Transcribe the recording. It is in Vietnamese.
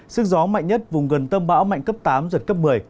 sức gió mạnh nhất vùng gần tâm bão mạnh cấp tám giật cấp một mươi